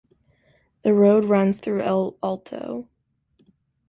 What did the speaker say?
The road runs through El Alto.